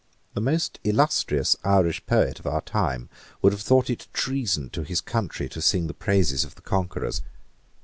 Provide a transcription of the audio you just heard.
The most illustrious Irish poet of our time would have thought it treason to his country to sing the praises of the conquerors.